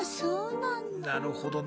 なるほどな。